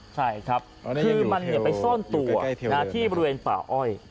ใช่ครับคือมันไปซ่อนตัวที่บริเวณป่าอ้อย